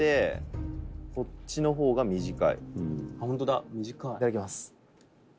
「いただきます」